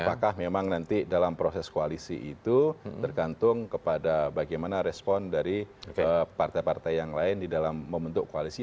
apakah memang nanti dalam proses koalisi itu tergantung kepada bagaimana respon dari partai partai yang lain di dalam membentuk koalisi